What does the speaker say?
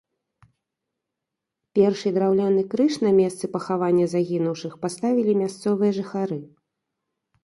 Першы драўляны крыж на месцы пахавання загінуўшых паставілі мясцовыя жыхары.